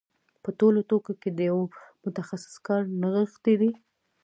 په ټولو توکو کې د یو متخصص کار نغښتی دی